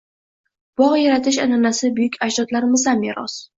Bog` yaratish an`anasi buyuk ajdodlarimizdan meros